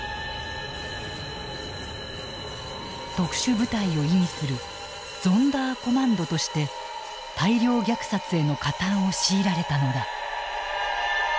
特殊部隊を意味するゾンダーコマンドとして大量虐殺への加担を強いられたのだ。